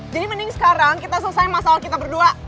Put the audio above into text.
jadi mending sekarang kita selesai masalah kita berdua